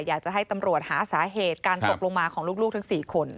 อยากจะให้ตำรวจหาสาเหตุการตกลงมาของลูกทั้ง๔คน